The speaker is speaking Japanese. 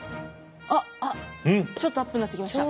あっちょっとアップになってきました。